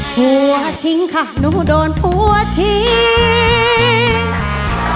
ผัวทิ้งค่ะหนูโดนผัวทิ้ง